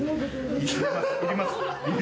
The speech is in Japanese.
いりますか？